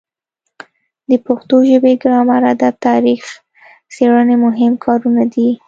د پښتو ژبې ګرامر ادب تاریخ څیړنې مهم کارونه دي.